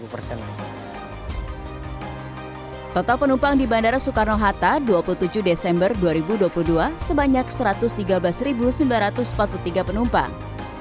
dua puluh tiga puluh persen total penumpang di bandara soekarno hatta dua puluh tujuh desember dua ribu dua puluh dua sebanyak satu ratus tiga belas sembilan ratus empat puluh tiga penumpang empat ratus empat puluh tiga